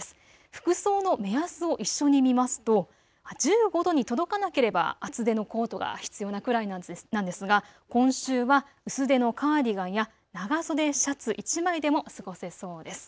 服装の目安を一緒に見ますと１５度に届かなければ厚手のコートが必要なくらいなんですが今週は薄手のカーディガンや長袖シャツ１枚でも過ごせそうです。